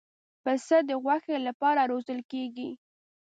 پسه د غوښې لپاره روزل کېږي.